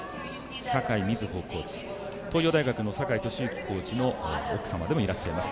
酒井瑞穂コーチ東洋大学の酒井俊幸監督の奥様でもいらっしゃいます。